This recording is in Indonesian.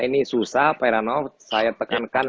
ini susah pak eranov saya tekankan